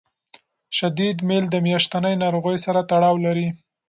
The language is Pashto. شدید میل د میاشتنۍ ناروغۍ سره تړاو لري.